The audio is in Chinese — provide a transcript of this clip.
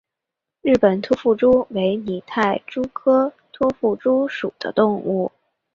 日本突腹蛛为拟态蛛科突腹蛛属的动物。